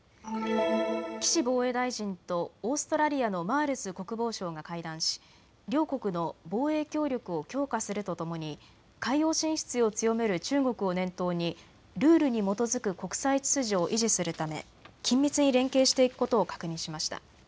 岸防衛大臣とオーストラリアのマールス国防相が会談し両国の防衛協力を強化するとともに海洋進出を強める中国を念頭にルールに基づく国際秩序を維持するため緊密に連携していくことを確認しました。